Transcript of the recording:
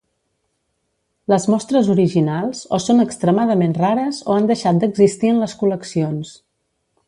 Les mostres originals o són extremadament rares o han deixat d'existir en les col·leccions.